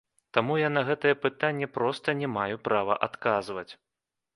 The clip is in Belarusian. Таму я на гэтае пытанне проста не маю права адказваць.